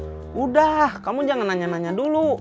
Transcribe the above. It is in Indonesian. sudah kamu jangan nanya nanya dulu